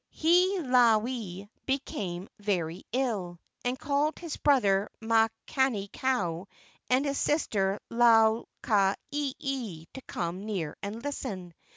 Hiilawe became very ill, and called his brother Makani kau and his sister Lau ka ieie to come near and listen.